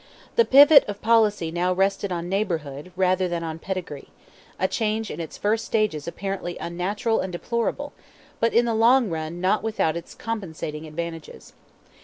The pivot of policy now rested on neighbourhood rather than on pedigree; a change in its first stages apparently unnatural and deplorable, but in the long run not without its compensating advantages.